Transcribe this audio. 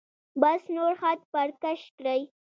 بس نور خط پر کش کړئ.